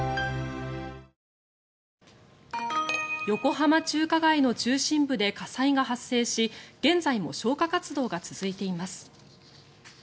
横浜中華街の中心部で火災が発生し現在も消火活動が続いています。